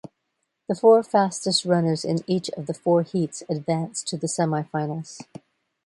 The four fastest runners in each of the four heats advanced to the semifinals.